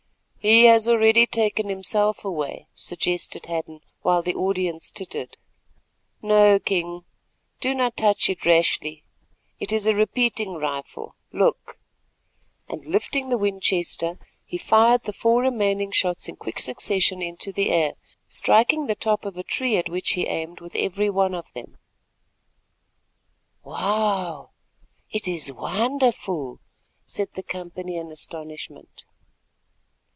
"He has already taken himself away," suggested Hadden, while the audience tittered. "No, King, do not touch it rashly; it is a repeating rifle. Look——" and lifting the Winchester, he fired the four remaining shots in quick succession into the air, striking the top of a tree at which he aimed with every one of them. "Wow, it is wonderful!" said the company in astonishment.